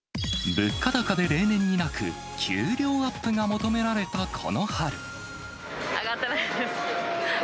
物価高で例年になく、上がってないです。